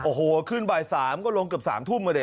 โอ้โหขึ้นบ่าย๓ก็ลงเกือบ๓ทุ่มอ่ะดิ